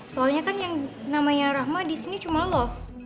soalnya kan yang namanya rahma di sini cuma loh